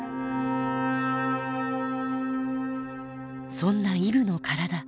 そんなイブの体。